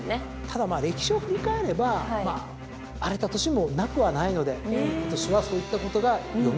ただ歴史を振り返ればまあ荒れた年もなくはないので今年はそういったことが蘇るのか。